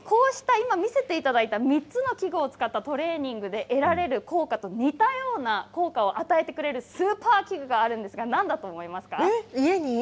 今見せていただいた３つの器具を使ったトレーニングで得られる効果と似たような効果を与えてくれるスーパー器具があるんですが、何だと思いますか。